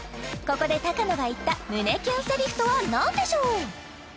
ここで鷹野が言った胸キュンセリフとは何でしょう？